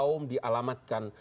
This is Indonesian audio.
satu kaum dialamatkan